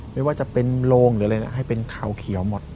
ไม่ว่าจะเป็นโรงหรืออะไรนะให้เป็นขาวเขียวหมด